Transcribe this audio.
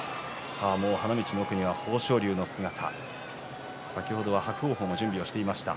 花道の奥には豊昇龍の姿先ほどは伯桜鵬が準備をしていました。